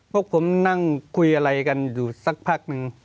พวกผมนั่งคุยอะไรกันอยู่สักพักนึง